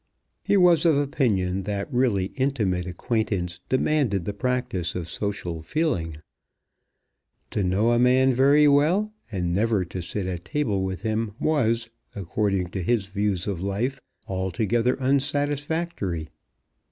He was of opinion that really intimate acquaintance demanded the practice of social feeling. To know a man very well, and never to sit at table with him, was, according to his views of life, altogether unsatisfactory.